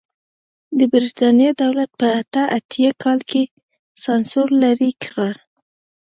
د برېټانیا دولت په اته اتیا کال کې سانسور لرې کړ.